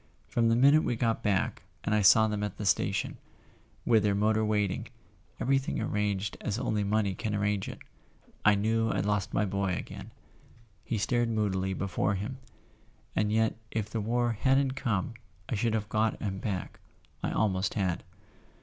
From the minute we got back, and I saw them at the station, with their motor waiting, and everything arranged as only money can arrange it, I knew I'd lost my boy again." He stared moodily before him. "And yet if the war hadn't come I should have got him back—I almost had."